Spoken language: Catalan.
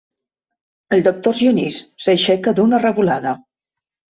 El doctor Genís s'aixeca d'una revolada.